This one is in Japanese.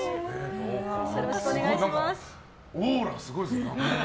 オーラがすごいですね。